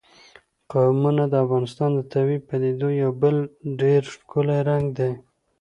قومونه د افغانستان د طبیعي پدیدو یو بل ډېر ښکلی رنګ دی.